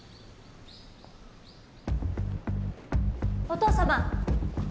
お父様！